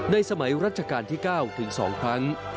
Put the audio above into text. สมัยรัชกาลที่๙ถึง๒ครั้ง